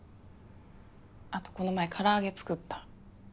あとこの前唐揚げ作った。